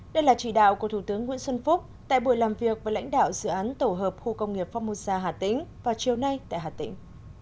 đây là chỉ đạo của thủ tướng nguyễn xuân phúc tại buổi làm việc với lãnh đạo dự án tổ hợp khu công nghiệp phongmosa hà tĩnh vào chiều nay tại hà tĩnh